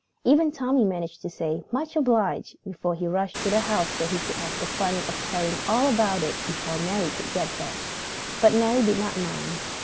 Even Tommy managed to say, "Much obliged!" before he rushed to the house so he could have the fun of telling all about it before Mary could get there. But Mary did not mind.